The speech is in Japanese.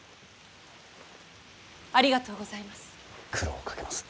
ありがとうございます。